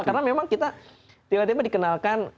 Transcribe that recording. karena memang kita tiba tiba dikenalkan